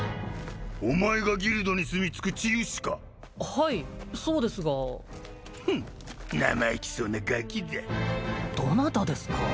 お前がギルドに住み着く治癒士かはいそうですがフン生意気そうなガキだどなたですか？